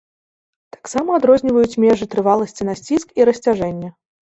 Таксама адрозніваюць межы трываласці на сціск і расцяжэнне.